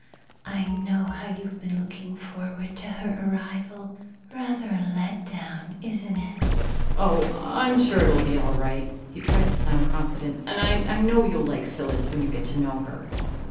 "I know how you've been looking forward to her arrival. Rather a letdown, isn't it?" "Oh, I'm sure it'll be all right." He tried to sound confident. "And I know you'll like Phyllis when you get to know her."